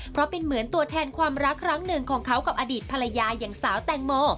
เพราะเป็นเหมือนตัวแทนความรักครั้งหนึ่งของเขากับอดีตภรรยาอย่างสาวแตงโม